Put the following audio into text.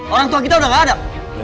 orang tua kita udah gak ada